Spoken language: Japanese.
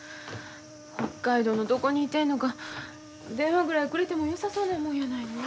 北海道のどこにいてんのか電話ぐらいくれてもよさそうなもんやないの。